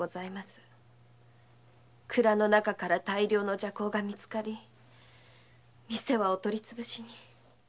蔵の中から大量の麝香が見つかり店はお取り潰しに。